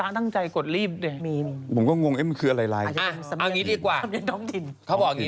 นะคะใช่สังเกตสี่